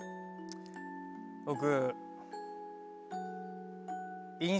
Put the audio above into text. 僕。